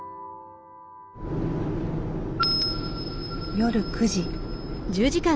夜９時。